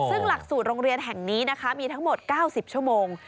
ซึ่งหลักสูตรโรงเรียนแห่งนี้นะคะมีทั้งหมด๙๐ชั่วโมง